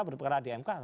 berperkara di mk